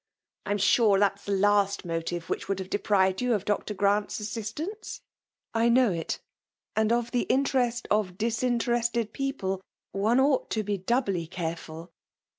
'' I am sure that is the last motive which would have deprived you of Dr. Grant's aa* siatancc!'' *' I know it ; and of the interest of dian terested people* one ought to be doubly careful.